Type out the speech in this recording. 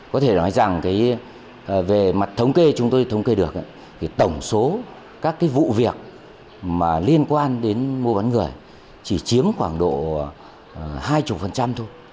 có thể nói rằng về mặt thống kê chúng tôi thống kê được thì tổng số các vụ việc liên quan đến mua bán người chỉ chiếm khoảng độ hai mươi thôi